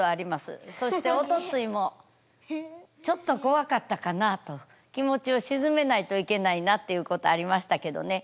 そしておとついもちょっと怖かったかなあと気持ちを鎮めないといけないなということありましたけどね。